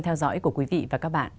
theo dõi của quý vị và các bạn